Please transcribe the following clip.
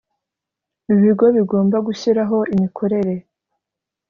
ibigo bigomba gushyiraho imikorere